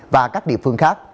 và các địa phương khác